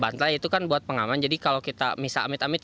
bantah itu kan buat pengaman jadi kalau kita misah amit amit